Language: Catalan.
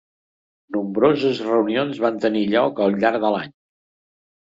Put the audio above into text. Nombroses reunions van tenir lloc al llarg de l'any.